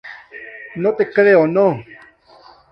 No te creo no...